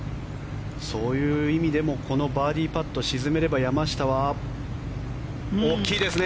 そういう意味でもこのバーディーパットを沈めれば山下は大きいですね。